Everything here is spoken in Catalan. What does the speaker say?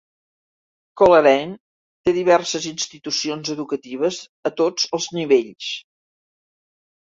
Coleraine té diverses institucions educatives a tots els nivells.